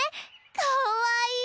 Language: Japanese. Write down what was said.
かわいい！